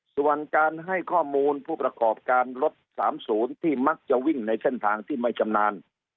ส่วนการให้ข้อมูลผู้ประกอบการรถ๓๐ที่มักจะวิ่งในเส้นทางที่ไม่ชำนาญ